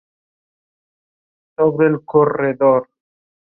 Se encuentra desde el África Oriental hasta Fiyi, Taiwán y la Isla Norfolk.